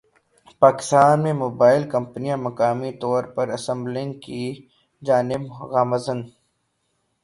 پاکستان میں موبائل کمپنیاں مقامی طور پر اسمبلنگ کی جانب گامزن